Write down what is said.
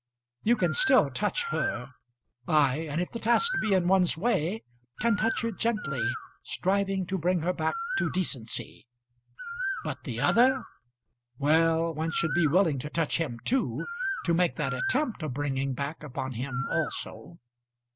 You can still touch her; ay, and if the task be in one's way, can touch her gently, striving to bring her back to decency. But the other! Well, one should be willing to touch him too, to make that attempt of bringing back upon him also.